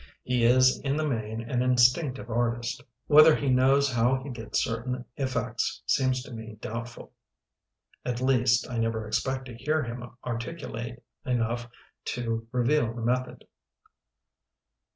He is in the main an instinctive artist. Whether he knows how he gets certain effects, seems to me doubtful. At least, I never expect to hear him ar ticulate enough to reveal the method.